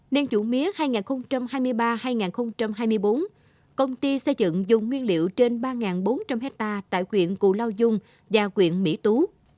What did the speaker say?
nên dụng mía hai nghìn hai mươi ba hai nghìn hai mươi bốn công ty xây dựng dùng nguyên liệu trên ba bốn trăm linh hectare tại quyện cù lao dung và quyện mỹ tú